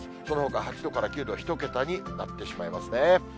そのほか８度から９度、１桁になってしまいますね。